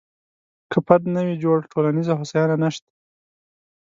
که فرد نه وي جوړ، ټولنیزه هوساینه نشته.